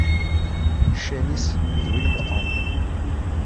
Ccan-is d win meqqren.